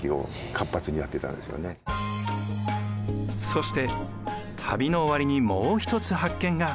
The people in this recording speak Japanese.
そして旅の終わりにもう一つ発見が。